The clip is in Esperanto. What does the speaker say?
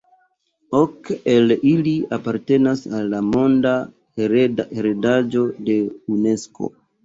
Ok el ili apartenas al la monda heredaĵo de Unesko.